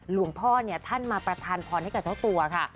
หลวงพ่อเนี่ยท่านมาประทานพรให้กับเจ้าตัวค่ะ